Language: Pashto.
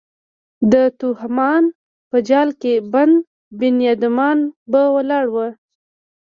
د توهماتو په جال کې بند بنیادمان به ولاړ وو.